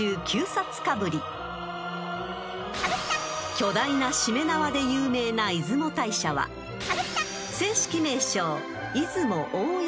［巨大なしめ縄で有名な出雲大社は正式名称］